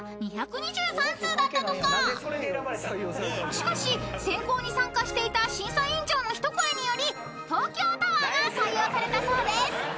［しかし選考に参加していた審査委員長の一声により「東京タワー」が採用されたそうです］